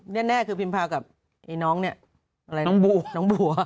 นี่แน่คือพิมพากับน้องบัว